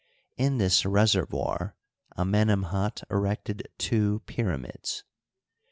In this reservoir Amenemhat erected two pyraihids.